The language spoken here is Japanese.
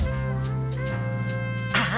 あ！